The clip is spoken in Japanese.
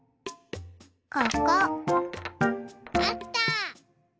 ここ。あった。